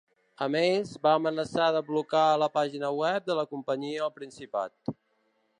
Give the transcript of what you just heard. A més, va amenaçar de blocar la pàgina web de la companyia al Principat.